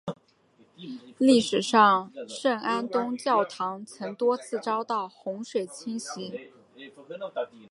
历史上大圣安东教堂曾多次遭到洪水侵袭。